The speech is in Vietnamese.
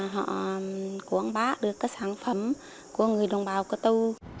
họ quảng bá được cái sản phẩm của người đồng bào cơ tu